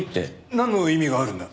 なんの意味があるんだ？